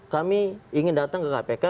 kami ingin datang ke kpk